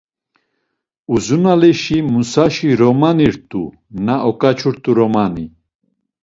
Uzunalişi Musaşi romanirt̆u na oǩaçurt̆u romani.